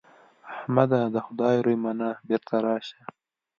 احمده! د خدای روی منه؛ بېرته راشه.